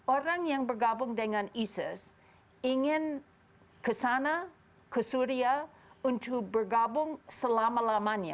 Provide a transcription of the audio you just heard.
orang yang bergabung dengan isis ingin ke sana ke syria untuk bergabung selama lamanya